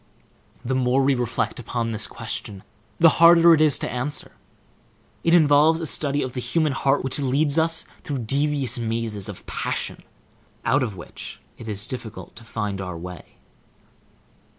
The more we reflect upon this question, the harder it is to answer. It involves a study of the human heart which leads us through devious mazes of passion, out of which it is difficult to find our way.